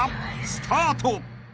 ［スタート］